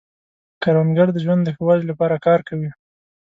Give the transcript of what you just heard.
کروندګر د ژوند د ښه والي لپاره کار کوي